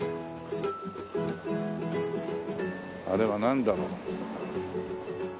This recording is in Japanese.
あれはなんだろう？